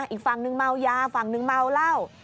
อีกฝั่งนึงเมายาฝั่งหนึ่งเมาเหล้า